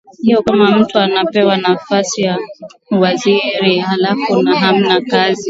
hiyo kama mtu anapewa nafasi ya uwaziri halafu hamna kazi